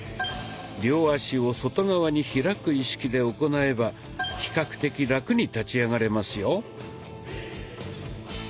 両足を外側に開く意識で行えば比較的ラクに立ち上がれますよ。